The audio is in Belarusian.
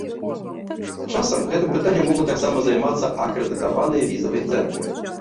Часам гэтым пытаннем могуць таксама займацца акрэдытаваныя візавыя цэнтры.